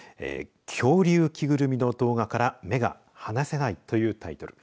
恐竜着ぐるみの動画から目が離せない！というタイトル。